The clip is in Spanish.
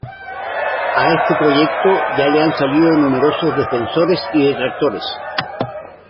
A este proyecto, ya le han salido numerosos defensores y detractores.